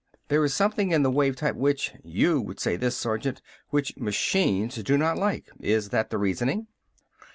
There is something in the wave type which you would say this, Sergeant! which machines do not like. Is that the reasoning?"